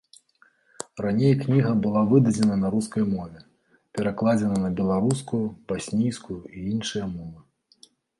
Раней кніга была выдадзена на рускай мове, перакладзеная на беларускую, баснійскую і іншыя мовы.